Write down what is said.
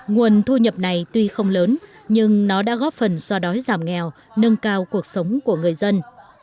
nguồn thu nhập này tuy không lớn nhưng nó đã góp phần xoa đói giảm nghèo nâng cao cuộc sống của người dân